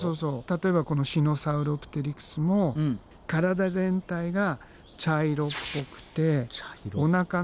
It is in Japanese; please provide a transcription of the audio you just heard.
例えばこのシノサウロプテリクスも体全体が茶色っぽくておなかのほうが白っぽくて。